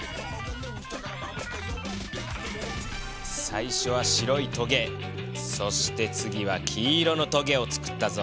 最初は白いトゲそして次は黄色のトゲをつくったぞ。